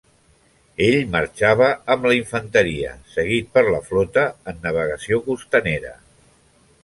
Ell marxava amb la infanteria, seguit per la flota en navegació costanera.